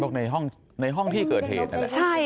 ว่าทำไมต้องมาอยู่กับผู้หญิงคนอื่น